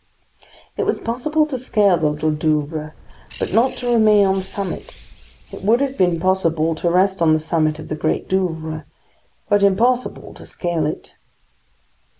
It was possible to scale the Little Douvre, but not to remain on the summit; it would have been possible to rest on the summit of the Great Douvre, but impossible to scale it.